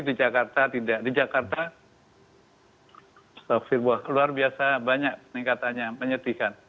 di jakarta tidak di jakarta sofir luar biasa banyak peningkatannya penyedihkan